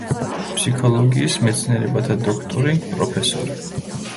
ფსიქოლოგიის მეცნიერებათა დოქტორი, პროფესორი.